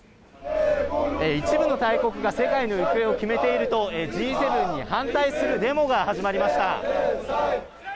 一部の大国が世界の行方を決めているとＧ７に反対するデモが始まりました。